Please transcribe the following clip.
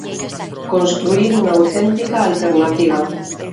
Construír unha auténtica alternativa.